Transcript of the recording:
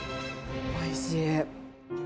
おいしい。